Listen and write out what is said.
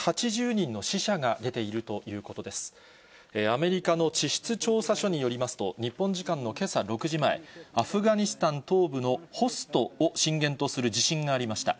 アメリカの地質調査所によりますと、日本時間のけさ６時前、アフガニスタン東部のホストを震源とする地震がありました。